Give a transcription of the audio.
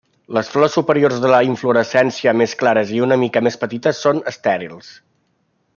Les flors superiors de la inflorescència, més clares i una mica més petites, són estèrils.